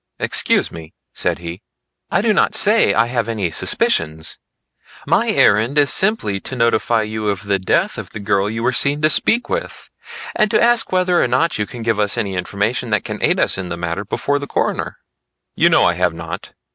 "Excuse me," said he, "I do not say I have any suspicions; my errand is simply to notify you of the death of the girl you were seen to speak with, and to ask whether or not you can give us any information that can aid us in the matter before the coroner." "You know I have not.